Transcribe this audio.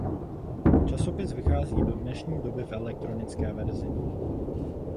Časopis vychází do dnešní doby v elektronické verzi.